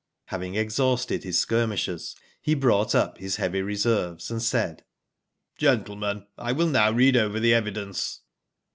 Having exhausted his skirmishers, he brought up his heavy reserves, and said: Gentlemen, I will now read over the evidence.